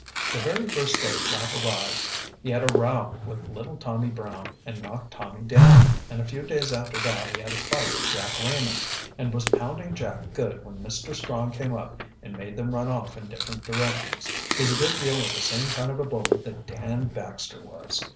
"The very first day Flapp arrived he had a row with little Tommy Browne, and knocked Tommy down, and a few days after that he had a fight with Jack Raymond, and was pounding Jack good when Mr. Strong came up and made them run off in different directions. He's a good deal of the same kind of a bully that Dan Baxter was."